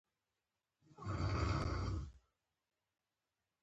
د سولې راتګ ټولنه پرمختګ ته هڅوي.